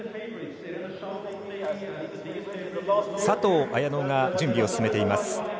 佐藤綾乃が準備を進めています。